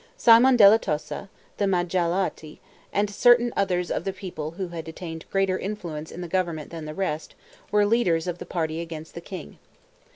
Simon della Tosa, the Magalotti, and certain others of the people who had attained greater influence in the government than the rest, were leaders of the party against the king.